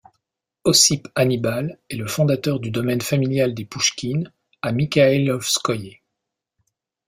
Ossip Hannibal est le fondateur du domaine familial des Pouchkine à Mikhaïlovskoïe.